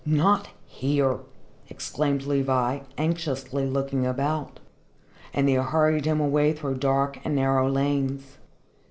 "Not here!" exclaimed Levi, anxiously looking about. And they hurried him away through dark and narrow lanes.